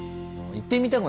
行ってみたい。